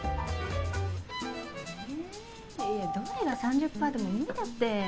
いやどれが３０パーでも無理だって。